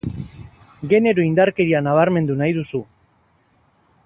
Genero indarkeria nabarmendu nahi duzu.